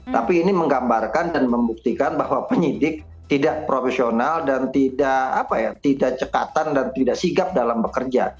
tapi ini menggambarkan dan membuktikan bahwa penyidik tidak profesional dan tidak cekatan dan tidak sigap dalam bekerja